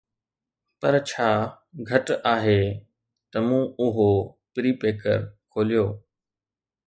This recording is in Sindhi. پر ڇا گهٽ آهي ته مون اهو پريپيڪر کوليو